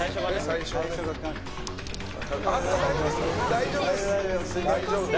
大丈夫です。